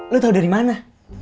lo tau dari mana